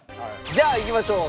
じゃあいきましょう。